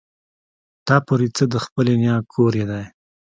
تا پورې څه د خپلې نيا کور يې دی.